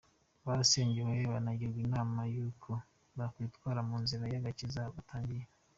barasengewe banagirwa inama zuko bakwitwara munzira yagakiza batangiye.